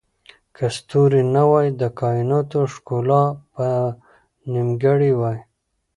که ستوري نه وای، د کایناتو ښکلا به نیمګړې وای.